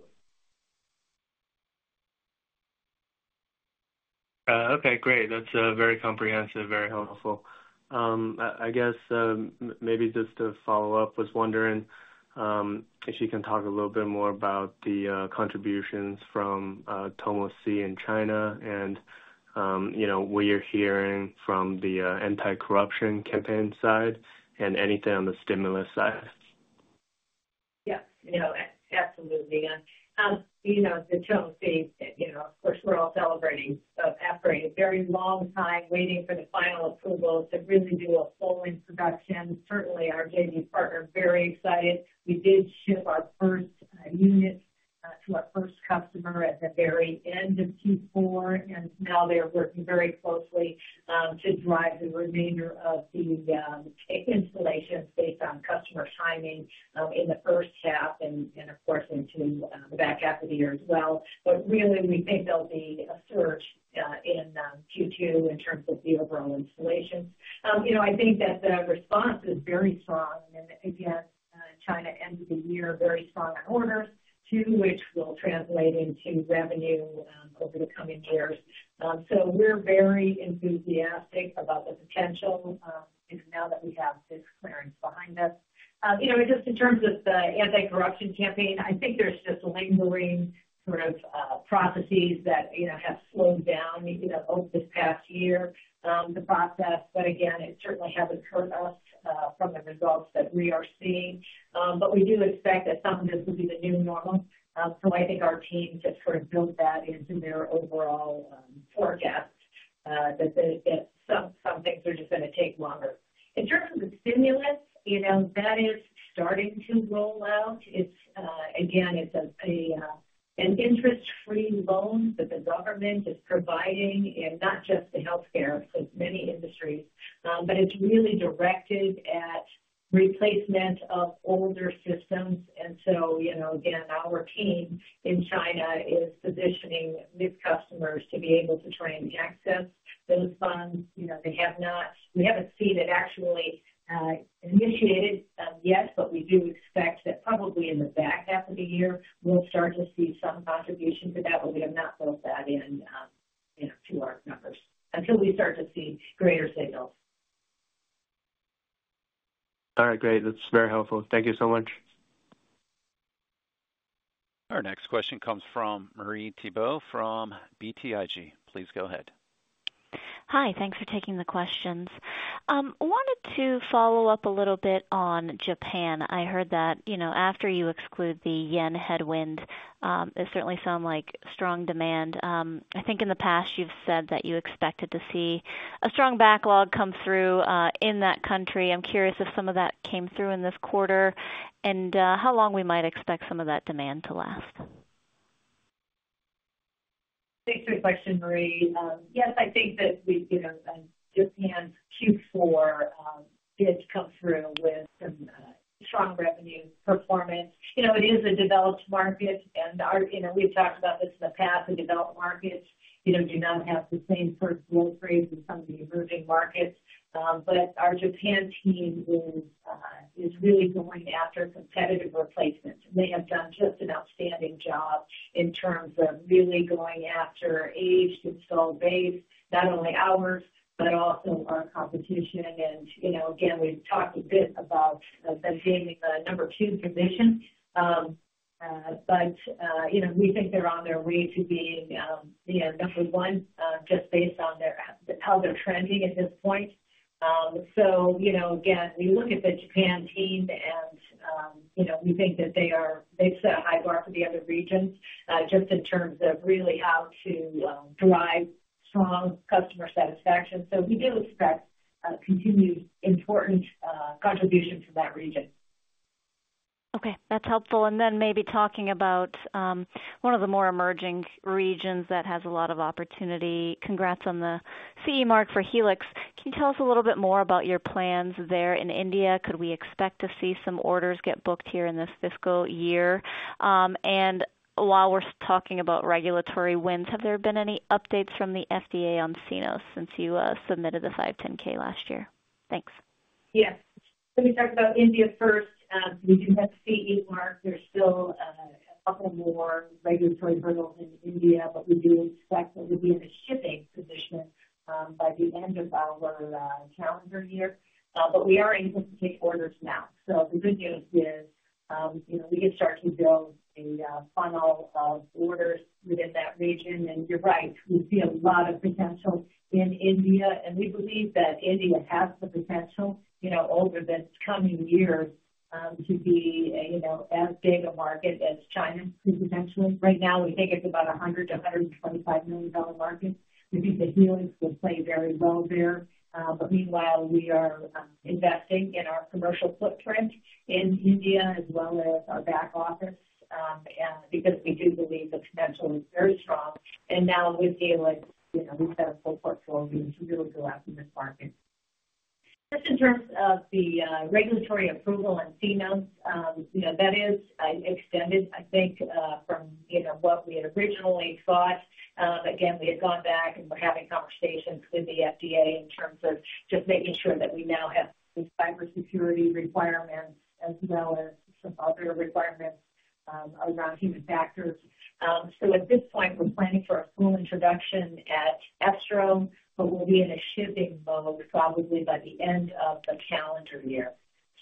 Okay, great. That's very comprehensive, very helpful. I guess maybe just to follow up, I was wondering if you can talk a little bit more about the contributions from Tomo C in China and you know what you're hearing from the anti-corruption campaign side and anything on the stimulus side? Yeah, you know, absolutely, and, you know, the Tomo C, you know, of course, we're all celebrating. So after a very long time waiting for the final approval to really do a full introduction, certainly our JV partner is very excited. We did ship our first unit to our first customer at the very end of Q4, and now they are working very closely to drive the remainder of the installations based on customer timing in the first half and, and of course, into the back half of the year as well. But really, we think there'll be a surge in Q2 in terms of the overall installation. You know, I think that the response is very strong, and again, China ended the year very strong on orders, to which will translate into revenue over the coming years. So we're very enthusiastic about the potential and now that we have this clearance behind us. You know, just in terms of the anti-corruption campaign, I think there's just lingering sort of processes that, you know, have slowed down, you know, over this past year, the process. But again, it certainly hasn't hurt us from the results that we are seeing. But we do expect that some of this will be the new normal. So I think our team just sort of built that into their overall forecast that some things are just gonna take longer. In terms of the stimulus, you know, that is starting to roll out. It's again, it's an interest-free loan that the government is providing, and not just to healthcare, so it's many industries. But it's really directed at replacement of older systems. And so, you know, again, our team in China is positioning these customers to be able to try and access those funds. You know, we haven't seen it actually initiated yet, but we do expect that probably in the back half of the year, we'll start to see some contribution to that, but we have not built that in, you know, to our numbers until we start to see greater signals. All right, great. That's very helpful. Thank you so much. Our next question comes from Marie Thibault from BTIG. Please go ahead. Hi, thanks for taking the questions. I wanted to follow up a little bit on Japan. I heard that, you know, after you exclude the yen headwind, it certainly sounds like strong demand. I think in the past you've said that you expected to see a strong backlog come through in that country. I'm curious if some of that came through in this quarter, and how long we might expect some of that demand to last? Thanks for your question, Marie. Yes, I think that we, you know, Japan's Q4 did come through with some strong revenue performance. You know, it is a developed market, and our, you know, we've talked about this in the past, the developed markets, you know, do not have the same sort of growth rates as some of the emerging markets. But our Japan team is really going after competitive replacements. They have done just an outstanding job in terms of really going after aged-installed base, not only ours, but also our competition. And, you know, again, we've talked a bit about them gaining the number two position. But, you know, we think they're on their way to being, you know, number one, just based on their how they're trending at this point. So, you know, again, we look at the Japan team and, you know, we think that they've set a high bar for the other regions, just in terms of really how to drive strong customer satisfaction. So we do expect continued important contribution from that region. Okay, that's helpful. And then maybe talking about one of the more emerging regions that has a lot of opportunity. Congrats on the CE Mark for Helix. Can you tell us a little bit more about your plans there in India? Could we expect to see some orders get booked here in this fiscal year? And while we're talking about regulatory wins, have there been any updates from the FDA on Cenos since you submitted the 510(k) last year? Thanks. Yes. Let me talk about India first. We do have CE Mark. There's still a couple more regulatory hurdles in India, but we do expect that we'll be in a shipping position by the end of our calendar year. But we are able to take orders now. So the good news is, you know, we can start to build a funnel of orders within that region. And you're right, we see a lot of potential in India, and we believe that India has the potential, you know, over this coming year, to be, you know, as big a market as China potentially. Right now, we think it's about $100 million-$125 million market. We think the Helix will play very well there. But meanwhile, we are investing in our commercial footprint in India, as well as our back office, and because we do believe the potential is very strong. And now with the Helix, you know, we've got a full portfolio to really go after this market. Just in terms of the regulatory approval on Cenos, you know, that is extended, I think, from what we had originally thought. Again, we had gone back and we're having conversations with the FDA in terms of just making sure that we now have the cybersecurity requirements, as well as some other requirements around human factors. So at this point, we're planning for a full introduction at ASTRO, but we'll be in a shipping mode probably by the end of the calendar year.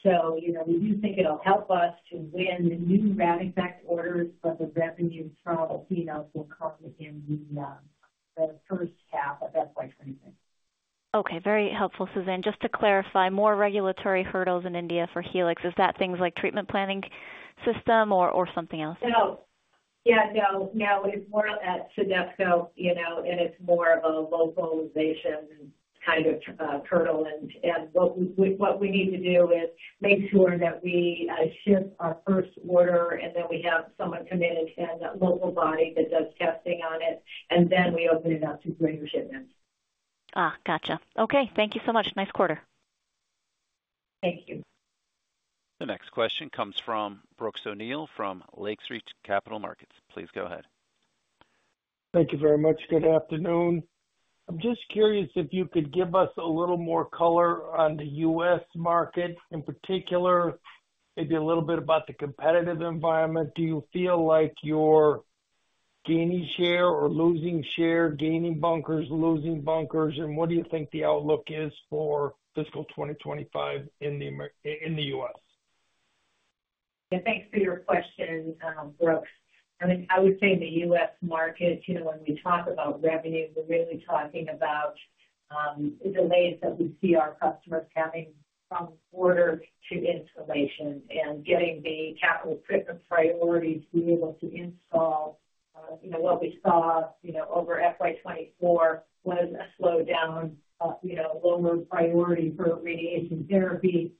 So, you know, we do think it'll help us to win the new Radixact orders, but the revenue from Sino will come in the first half of FY 2023. Okay, very helpful, Suzanne. Just to clarify, more regulatory hurdles in India for Helix. Is that things like treatment planning system or, or something else? No. Yeah, no, no, it's more at CDSCO, you know, and it's more of a localization kind of hurdle. And what we need to do is make sure that we ship our first order, and then we have someone come in and a local body that does testing on it, and then we open it up to greater shipments. Ah, gotcha. Okay, thank you so much. Nice quarter. Thank you. The next question comes from Brooks O'Neil from Lake Street Capital Markets. Please go ahead. Thank you very much. Good afternoon. I'm just curious if you could give us a little more color on the U.S. market, in particular, maybe a little bit about the competitive environment. Do you feel like you're gaining share or losing share, gaining bunkers, losing bunkers? And what do you think the outlook is for fiscal 2025 in the Americas, in the U.S.? Yeah, thanks for your question, Brooks. I mean, I would say the U.S. market, you know, when we talk about revenue, we're really talking about the delays that we see our customers having from order to installation and getting the capital equipment priority to be able to install. You know, what we saw, you know, over FY 2024 was a slowdown, you know, lower priority for radiation therapy.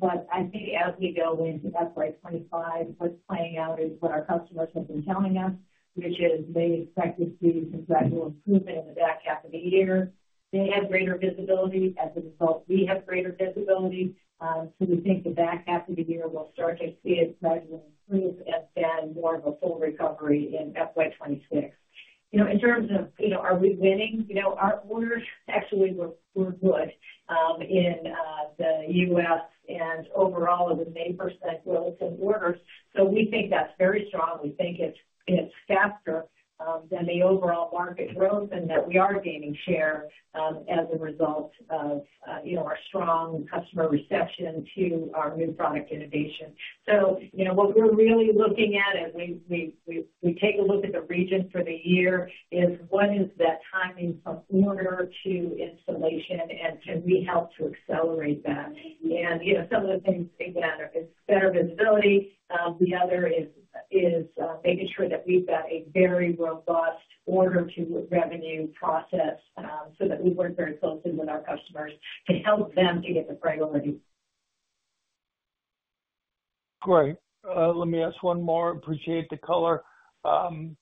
But I think as we go into FY 2025, what's playing out is what our customers have been telling us, which is they expect to see some gradual improvement in the back half of the year. They have greater visibility. As a result, we have greater visibility. So we think the back half of the year will start to see a gradual improvement and then more of a full recovery in FY 2026. You know, in terms of, you know, are we winning? You know, our orders actually were good in the U.S. and overall, the mid-90% relative orders. So we think that's very strong. We think it's faster than the overall market growth, and that we are gaining share as a result of, you know, our strong customer reception to our new product innovation. So, you know, what we're really looking at as we take a look at the region for the year, is what is that timing from order to installation, and can we help to accelerate that? You know, some of the things again is better visibility, the other is making sure that we've got a very robust order to revenue process, so that we work very closely with our customers to help them to get the priority. Great. Let me ask one more. Appreciate the color. Do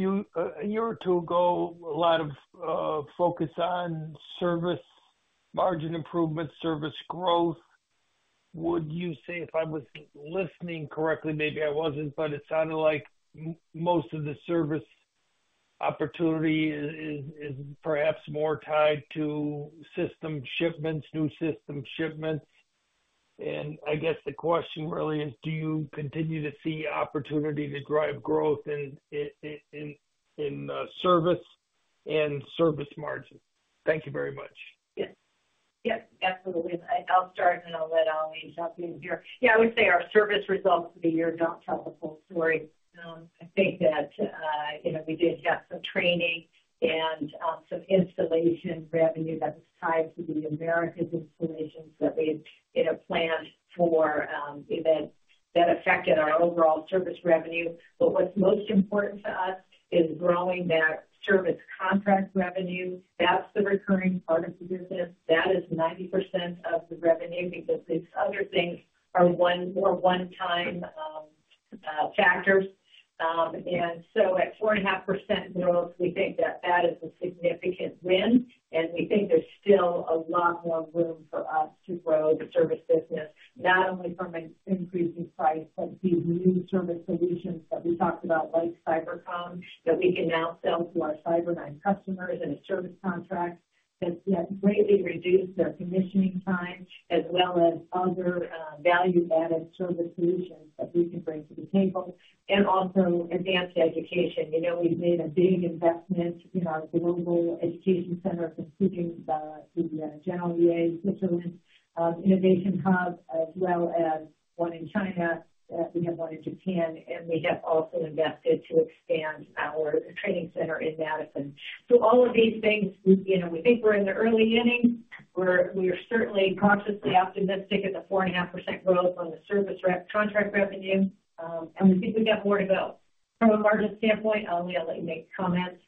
you, a year or two ago, a lot of focus on service, margin improvement, service growth. Would you say, if I was listening correctly, maybe I wasn't, but it sounded like most of the service opportunity is perhaps more tied to system shipments, new system shipments. And I guess the question really is: do you continue to see opportunity to drive growth in service and service margin? Thank you very much. Yes. Yes, absolutely. I'll start, and I'll let Ali jump in here. Yeah, I would say our service results for the year don't tell the full story. I think that, you know, we did have some training and some installation revenue that was tied to the Americas installations that we, you know, planned for, events that affected our overall service revenue. But what's most important to us is growing that service contract revenue. That's the recurring part of the business. That is 90% of the revenue, because these other things are one more one-time factors. And so at 4.5% growth, we think that that is a significant win, and we think there's still a lot more room for us to grow the service business, not only from an increasing price, but the new service solutions that we talked about, like Cybercomm, that we can now sell to our CyberKnife customers and a service contract that's greatly reduced their commissioning time, as well as other value-added service solutions that we can bring to the table, and also advanced education. You know, we've made a big investment in our global education center, specifically through the Geneva, Switzerland innovation hub, as well as one in China, we have one in Japan, and we have also invested to expand our training center in Madison. So all of these things, we, you know, we think we're in the early innings. We are certainly cautiously optimistic at the 4.5% growth on the service contract revenue, and we think we've got more to go. From a margin standpoint, Ali, I'll let you make comments.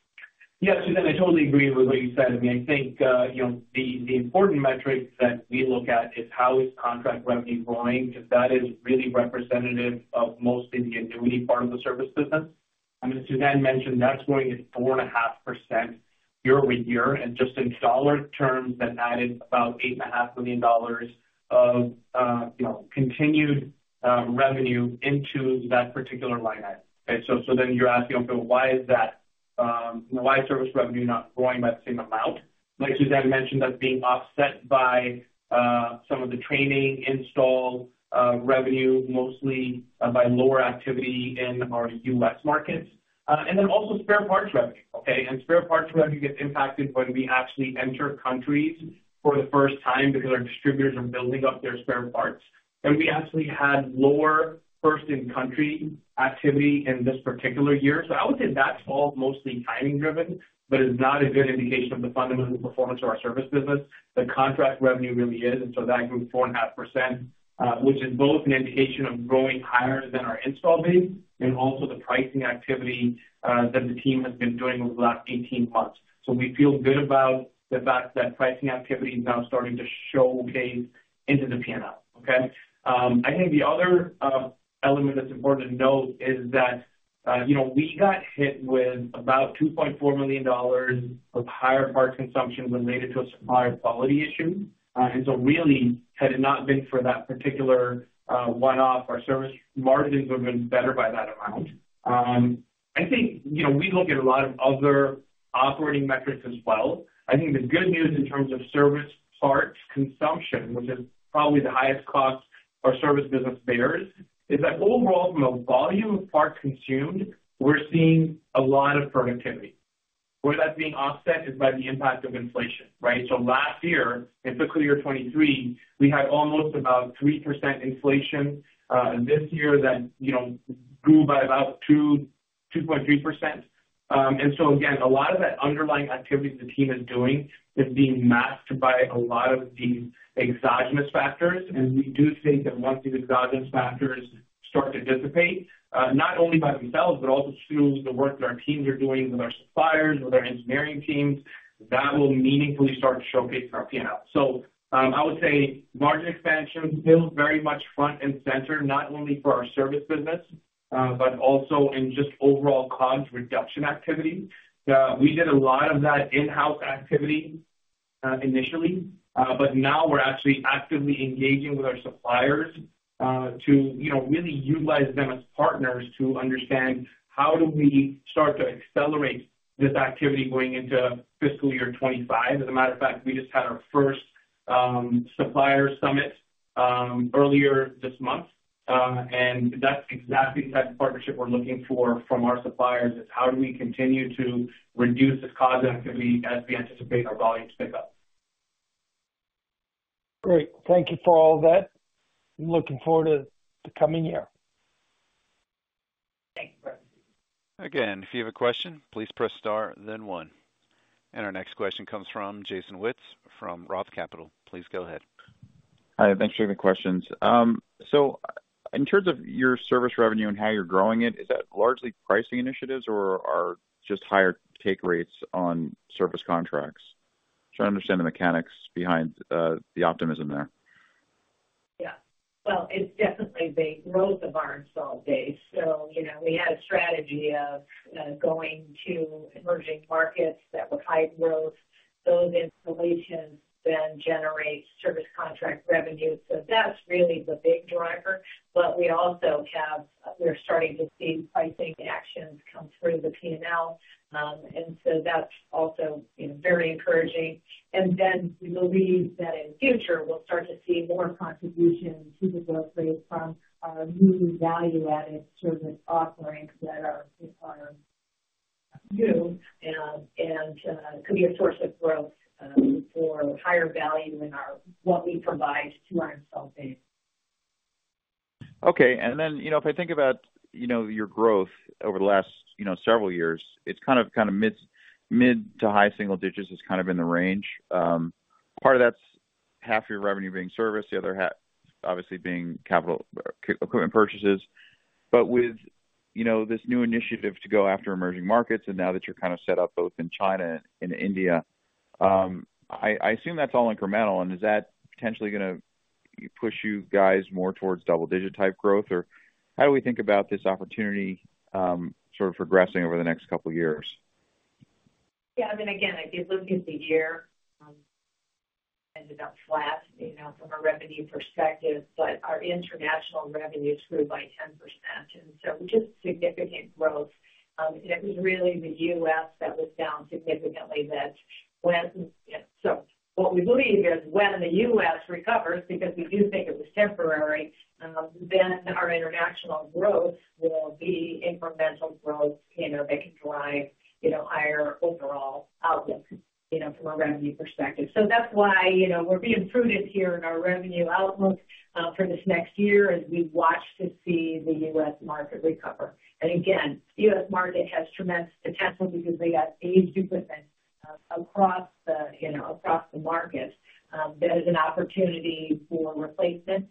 Yeah, Suzanne, I totally agree with what you said. I mean, I think, you know, the important metric that we look at is how is contract revenue growing, because that is really representative of most of the annuity part of the service business. I mean, Suzanne mentioned that's growing at 4.5% year-over-year, and just in dollar terms, that added about $8.5 million of, you know, continued, revenue into that particular line item. Okay, so then you're asking, okay, why is that, why is service revenue not growing by the same amount? Like Suzanne mentioned, that's being offset by, some of the training, install, revenue, mostly by lower activity in our U.S. markets, and then also spare parts revenue, okay? Spare parts revenue gets impacted when we actually enter countries for the first time because our distributors are building up their spare parts. We actually had lower first in country activity in this particular year. So I would say that falls mostly timing driven, but is not a good indication of the fundamental performance of our service business. The contract revenue really is, and so that grew 4.5%, which is both an indication of growing higher than our install base and also the pricing activity that the team has been doing over the last 18 months. So we feel good about the fact that pricing activity is now starting to show gain into the P&L, okay? I think the other element that's important to note is that, you know, we got hit with about $2.4 million of higher parts consumption related to a supplier quality issue. And so really, had it not been for that particular one-off, our service margins would have been better by that amount. I think, you know, we look at a lot of other operating metrics as well. I think the good news in terms of service parts consumption, which is probably the highest cost our service business bears, is that overall, from a volume of parts consumed, we're seeing a lot of productivity... where that's being offset is by the impact of inflation, right? So last year, in fiscal year 2023, we had almost about 3% inflation. This year, that, you know, grew by about 2.3%. And so again, a lot of that underlying activity the team is doing is being masked by a lot of these exogenous factors. We do think that once these exogenous factors start to dissipate, not only by themselves, but also through the work that our teams are doing with our suppliers, with our engineering teams, that will meaningfully start to showcase our P&L. I would say margin expansion still very much front and center, not only for our service business, but also in just overall cost reduction activity. We did a lot of that in-house activity initially, but now we're actually actively engaging with our suppliers to, you know, really utilize them as partners to understand how do we start to accelerate this activity going into fiscal year 2025. As a matter of fact, we just had our first supplier summit earlier this month, and that's exactly the type of partnership we're looking for from our suppliers, is how do we continue to reduce this cost activity as we anticipate our volumes pick up. Great. Thank you for all that. I'm looking forward to the coming year. Thanks. Again, if you have a question, please press Star, then One. Our next question comes from Jason Wittes from Roth Capital. Please go ahead. Hi, thanks for taking the questions. So, in terms of your service revenue and how you're growing it, is that largely pricing initiatives or are just higher take rates on service contracts? Trying to understand the mechanics behind the optimism there. Yeah. Well, it's definitely the growth of our install base. So, you know, we had a strategy of going to emerging markets that were high growth. Those installations then generate service contract revenue. So that's really the big driver. But we also have—We're starting to see pricing actions come through the P&L. And so that's also, you know, very encouraging. And then we believe that in future, we'll start to see more contribution to the growth rate from our new value-added service offerings that are new and could be a source of growth for higher value in our—what we provide to our install base. Okay, and then, you know, if I think about, you know, your growth over the last, you know, several years, it's kind of, kind of, mid to high single digits is kind of in the range. Part of that's half your revenue being serviced, the other half obviously being capital equipment purchases. But with, you know, this new initiative to go after emerging markets, and now that you're kind of set up both in China and India, I, I assume that's all incremental, and is that potentially gonna push you guys more towards double digit type growth? Or how do we think about this opportunity, sort of progressing over the next couple of years? Yeah, I mean, again, if you look at the year, ended up flat, you know, from a revenue perspective, but our international revenue grew by 10%, and so just significant growth. It was really the U.S. that was down significantly. So what we believe is when the U.S. recovers, because we do think it was temporary, then our international growth will be incremental growth, you know, that can drive, you know, higher overall outlook, you know, from a revenue perspective. So that's why, you know, we're being prudent here in our revenue outlook, for this next year as we watch to see the U.S. market recover. And again, U.S. market has tremendous potential because they got aged equipment, across the, you know, across the market. There is an opportunity for replacement,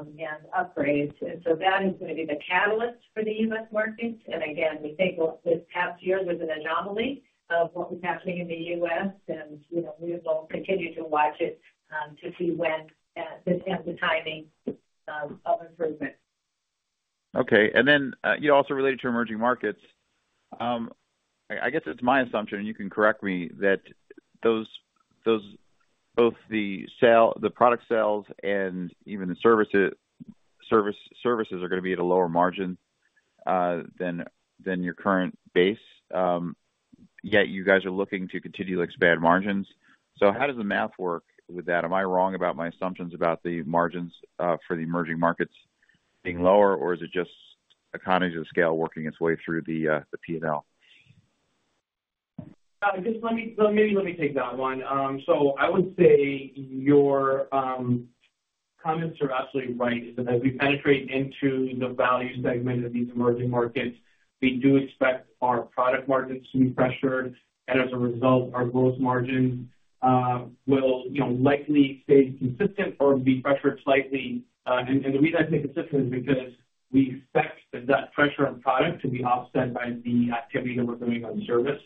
and upgrades, and so that is gonna be the catalyst for the US market. And again, we think this past year was an anomaly of what was happening in the US, and, you know, we will continue to watch it, to see when, and the timing, of improvement. Okay, and then you know, also related to emerging markets, I guess it's my assumption, and you can correct me, that those, both the sale, the product sales and even the services are gonna be at a lower margin than your current base. Yet you guys are looking to continue to expand margins. So how does the math work with that? Am I wrong about my assumptions about the margins for the emerging markets being lower, or is it just economies of scale working its way through the P&L? Just let me, maybe let me take that one. So I would say your comments are absolutely right, that as we penetrate into the value segment of these emerging markets, we do expect our product margins to be pressured, and as a result, our gross margins will, you know, likely stay consistent or be pressured slightly. And the reason I say consistent is because we expect that pressure on product to be offset by the activity that we're doing on service.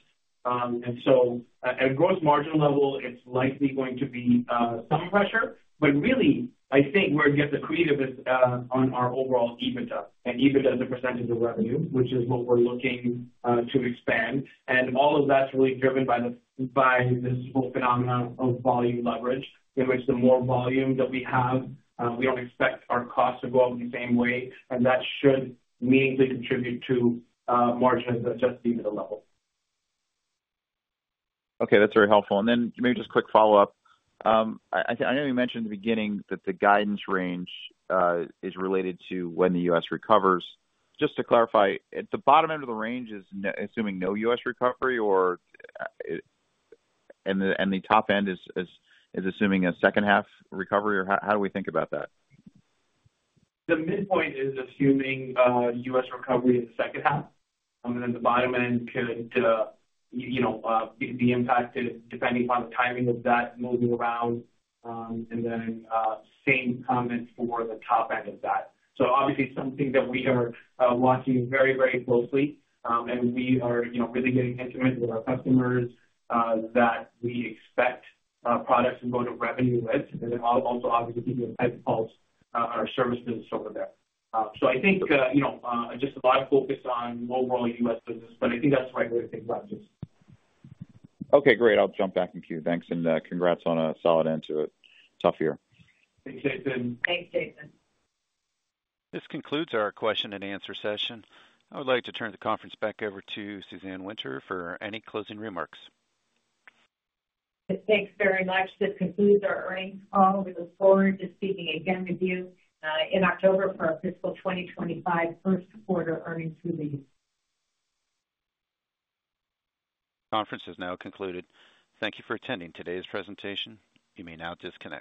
And so at gross margin level, it's likely going to be some pressure, but really, I think where you get the creative is on our overall EBITDA and EBITDA as a percentage of revenue, which is what we're looking to expand. All of that's really driven by this whole phenomenon of volume leverage, in which the more volume that we have, we don't expect our cost to grow in the same way, and that should meaningfully contribute to margins at just EBITDA level. Okay, that's very helpful. And then maybe just a quick follow-up. I know you mentioned in the beginning that the guidance range is related to when the U.S. recovers. Just to clarify, at the bottom end of the range is assuming no U.S. recovery or... And the top end is assuming a second half recovery, or how do we think about that? The midpoint is assuming U.S. recovery in the second half, and then the bottom end could, you know, be impacted depending upon the timing of that moving around. Same comment for the top end of that. Obviously, it's something that we are watching very, very closely. We are, you know, really getting intimate with our customers that we expect products and go-to-revenue with, and then also obviously, we have helped our service business over there. I think, you know, just a lot of focus on overall U.S. business, but I think that's the right way to think about this. Okay, great. I'll jump back in queue. Thanks, and congrats on a solid end to a tough year. Thanks, Jason. Thanks, Jason. This concludes our question and answer session. I would like to turn the conference back over to Suzanne Winter for any closing remarks. Thanks very much. This concludes our earnings call. We look forward to speaking again with you in October for our fiscal 2025 first quarter earnings release. Conference is now concluded. Thank you for attending today's presentation. You may now disconnect.